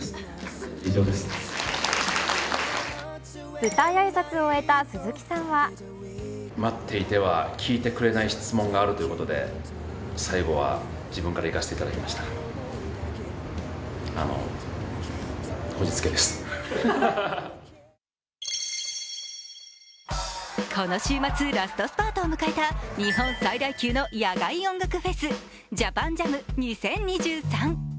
舞台挨拶を終えた鈴木さんはこの週末ラストスパートを迎えた日本最大の野外音楽フェスＪＡＰＡＮＪＡＭ２０２３。